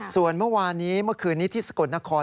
ส่วนเมื่อวานนี้เมื่อคืนนี้ที่สกลนคร